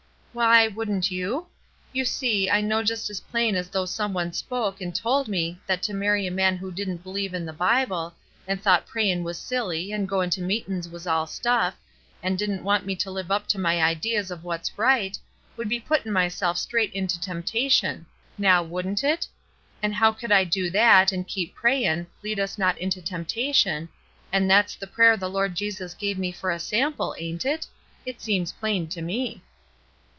" Why — wouldn't you? You see, I know "WOULDN'T YOU?" 265 just as plain as though some one spoke and told me that to marry a man who didn't b'Ueve in the Bible, and thought prayin' was silly, and going to meetin's was all stuff, an' didn't want me to live up to my ideas of what's right, would be putting myself straight into tempta tion. Now, wouldn't it? An' how could I do that, and keep prayin', 'Lead us not into temptation,' an' that's the prayer the Lord Jesus give me for a sample, ain't it? It seems plain to me."